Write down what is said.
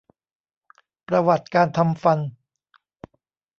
ประวัติการทำฟัน